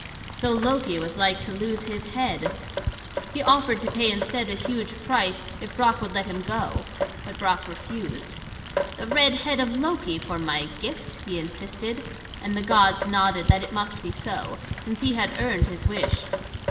So Loki was like to lose his head. He offered to pay instead a huge price, if Brock would let him go. But Brock refused. "The red head of Loki for my gift," he insisted, and the gods nodded that it must be so, since he had earned his wish.